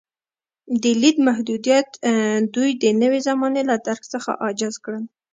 د لید محدودیت دوی د نوې زمانې له درک څخه عاجز کړل.